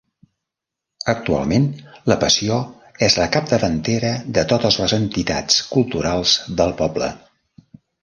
Actualment La Passió és la capdavantera de totes les entitats culturals del poble.